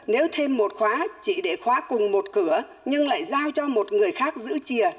nếu thêm một khóa chỉ để khóa cùng một cửa nhưng lại giao cho một người khác giữ chìa